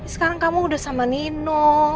sekarang kamu udah sama nino